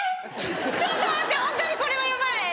ちょっと待ってホントにこれはヤバい！